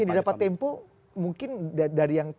yang didapat tempo mungkin dari yang